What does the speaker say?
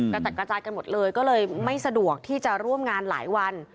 กระจัดกระจายกันหมดเลยก็เลยไม่สะดวกที่จะร่วมงานหลายวัน